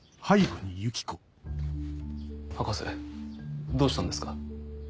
博士どうしたんですか？